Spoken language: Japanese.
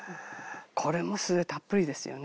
これもたっぷりですよね。